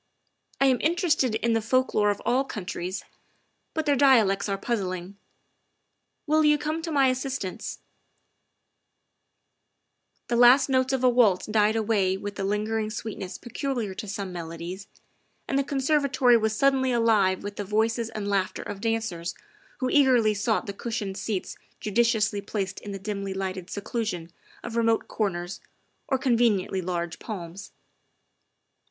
I am interested in the folk lore of all countries, but their dialects are puzzling. Will you come to my assistance ?'' The last notes of a waltz died away with the lingering sweetness peculiar to some melodies, and the conserva 56 THE WIFE OF tory was suddenly alive with the voices and laughter of dancers who eagerly sought the cushioned seats judi ciously placed in the dimly lighted seclusion of remote corners or conveniently large palms.